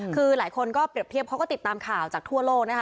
คือหลายคนก็เปรียบเทียบเขาก็ติดตามข่าวจากทั่วโลกนะคะ